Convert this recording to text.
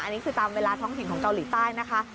อันนี้คือตามเวลาท้องถิ่นของเกาหลีใต้นะคะ